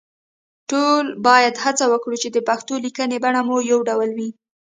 ټول باید هڅه وکړو چې د پښتو لیکنې بڼه مو يو ډول وي